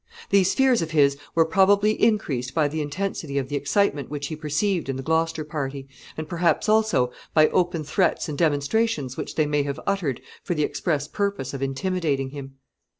These fears of his were probably increased by the intensity of the excitement which he perceived in the Gloucester party, and perhaps, also, by open threats and demonstrations which they may have uttered for the express purpose of intimidating him.